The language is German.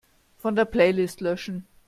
Von der Playlist löschen.